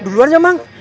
duluan ya bang